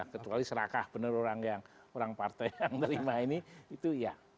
kecuali serakah benar orang partai yang menerima ini itu ya